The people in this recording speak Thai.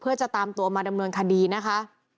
เพื่อจะตามตัวมาดำเนินคดีนะคะ